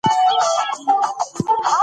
که سړکونه جوړ وي نو تګ نه ستیږي.